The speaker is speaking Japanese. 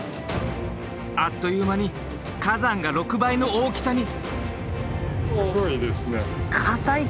あっという間に火山が６倍の大きさに！